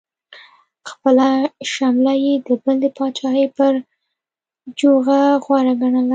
خپله شمله یې د بل د پاچاهۍ پر جوغه غوره ګڼله.